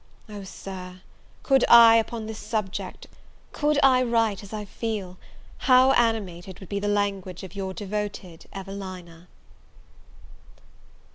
Oh, Sir, could I upon this subject, could I write as I feel, how animated would be the language of your devoted EVELINA.